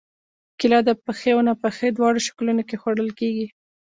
کېله د پخې او ناپخې دواړو شکلونو کې خوړل کېږي.